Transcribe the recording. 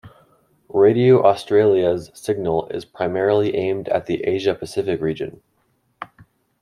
Radio Australia's signal is primarily aimed at the Asia-Pacific region.